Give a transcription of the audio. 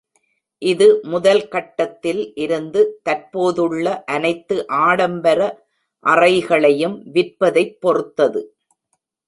இது முதல் கட்டத்தில் இருந்து தற்போதுள்ள அனைத்து ஆடம்பர அறைகளையும் விற்பதைப் பொறுத்தது.